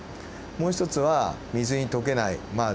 もう一つは水に溶けないまあ